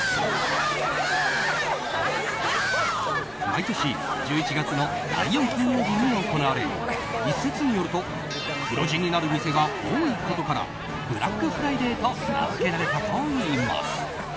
毎年１１月の第４金曜日に行われ一説によると黒字になる店が多いことからブラックフライデーと名付けられたといいます。